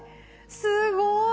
すごい。